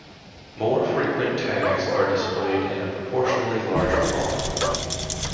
More frequent tags are displayed in a proportionally larger font.